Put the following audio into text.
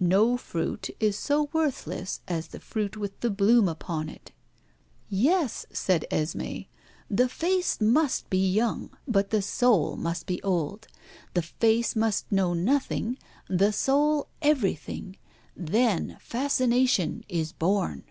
No fruit is so worthless as the fruit with the bloom upon it." "Yes," said Esmé. "The face must be young, but the soul must be old. The face must know nothing, the soul everything. Then fascination is born."